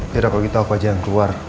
tidak kok kita opo jangan keluar